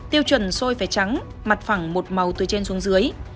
tiêu chuẩn sôi phải trắng mặt phẳng một màu từ trên xuống dưới